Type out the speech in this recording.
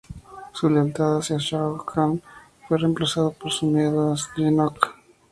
Su lealtad hacía Shao Kahn fue reemplazado por su miedo a Shinnok.